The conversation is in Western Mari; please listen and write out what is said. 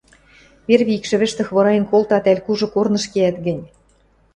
Перви икшӹвӹштӹ хвораен колтат ӓль кужы корныш кеӓт гӹнь